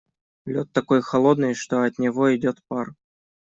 Лед такой холодный, что от него идёт пар.